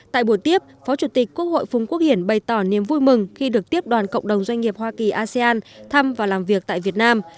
tại buổi tiếp phó chủ tịch quốc hội phùng quốc hiển bày tỏ niềm vui mừng khi được tiếp đoàn cộng đồng doanh nghiệp hoa kỳ asean thăm và làm việc tại việt nam